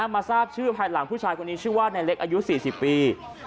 มาทราบชื่อภายหลังผู้ชายคนนี้ชื่อว่านายเล็กอายุ๔๐ปี